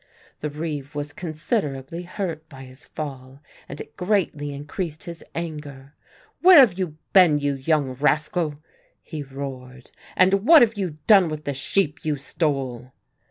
The reeve was considerably hurt by his fall and it greatly increased his anger. "Where have you been, you young rascal," he roared, "and what have you done with the sheep you stole?"